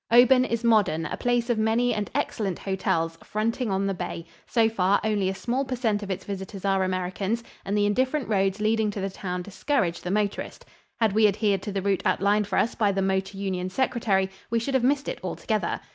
Oban is modern, a place of many and excellent hotels fronting on the bay. So far, only a small per cent of its visitors are Americans, and the indifferent roads leading to the town discourage the motorist. Had we adhered to the route outlined for us by the Motor Union Secretary, we should have missed it altogether.